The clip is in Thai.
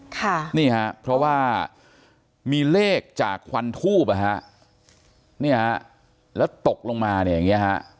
ค่ะนี่ฮะเพราะว่ามีเลขจากควันทูบอ่ะฮะเนี่ยฮะแล้วตกลงมาเนี่ยอย่างเงี้ฮะ